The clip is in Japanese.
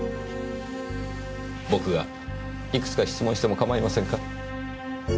僕がいくつか質問してもかまいませんか？